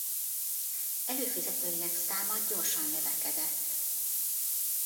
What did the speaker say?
Előfizetőinek száma gyorsan növekedett.